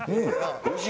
おいしい。